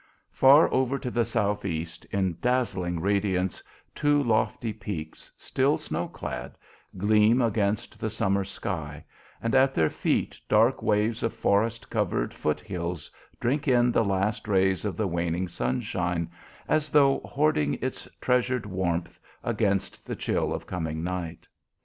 Far over to the southeast, in dazzling radiance, two lofty peaks, still snow clad, gleam against the summer sky, and at their feet dark waves of forest covered foot hills drink in the last rays of the waning sunshine as though hoarding its treasured warmth against the chill of coming night.